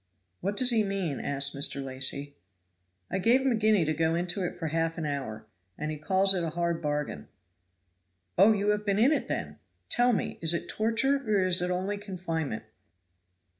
"What does he mean?" asked Mr. Lacy. "I gave him a guinea to go into it for half an hour, and he calls it a hard bargain." "Oh, you have been in it, then? Tell me, is it torture or is it only confinement?"